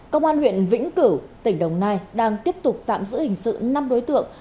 công an huyện vĩnh cửu tỉnh đồng nai đang tiếp tục tạm giữ hình sự năm đối tượng